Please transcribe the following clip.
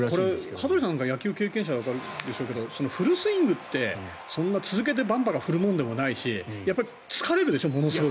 羽鳥さんは野球経験があるからフルスイングってそんなに続けてバンバカ振るものでもないしやっぱり疲れるでしょものすごく。